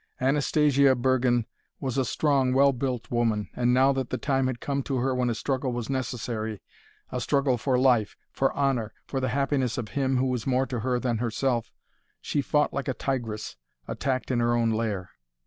Anastasia Bergen was a strong, well built woman, and now that the time had come to her when a struggle was necessary, a struggle for life, for honour, for the happiness of him who was more to her than herself, she fought like a tigress attacked in her own lair.